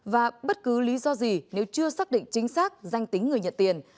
và bất cứ lý do gì nếu chưa xác định chính xác danh tính người nhận tiền